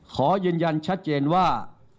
ขอยืนยันชัดเจนว่า